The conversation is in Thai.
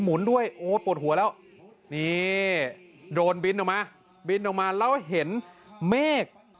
หนุนด้วยโอ้ปวดหัวแล้วนี่โดนบินออกมาบินออกมาแล้วเห็นเมฆ